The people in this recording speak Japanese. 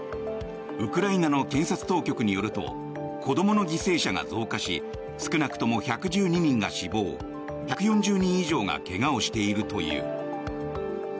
ウクライナの検察当局によると子どもの犠牲者が増加し少なくとも１１２人が死亡１４０人以上が怪我をしているという。